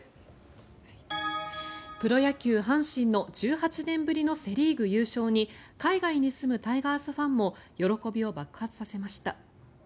プロ野球、阪神の１８年ぶりのセ・リーグ優勝に海外に住むタイガースファンも喜びを爆発させました。